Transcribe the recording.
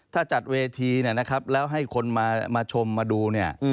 ถ้าจะจัดเวทีแล้วให้คนมาชมมาดู